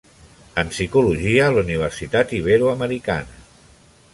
en Psicologia a la Universitat Iberoamericana.